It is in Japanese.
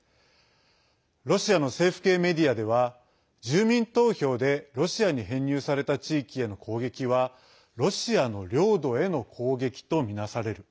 ロシアの政府系メディアでは住民投票で、ロシアに編入された地域への攻撃はロシアの領土への攻撃とみなされる。